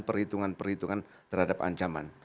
perhitungan perhitungan terhadap ancaman